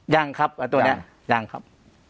ยังครับตัวนี้ยังครับ